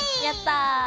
やった。